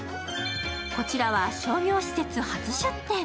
こちらは商業施設初出店。